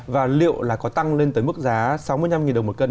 và liệu là có tăng lên tới mức giá sáu mươi năm đồng một cân